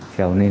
thu hết tiền